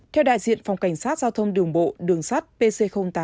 theo đại diện phòng cảnh sát giao thông đường bộ đường sát pc tám